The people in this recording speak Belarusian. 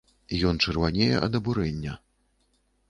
Ён чырванее ад абурэння.